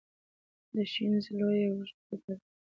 د شنیز لویه او اوږده دره